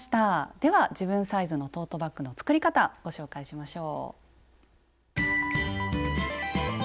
では自分サイズのトートバッグの作り方ご紹介しましょう。